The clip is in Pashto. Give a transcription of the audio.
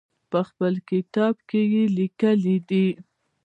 په خپل کتاب کې یې لیکلي دي.